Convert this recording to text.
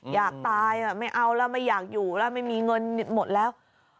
อยากตายไม่เอาแล้วไม่อยากอยู่แล้วไม่มีเงินหมดแล้ว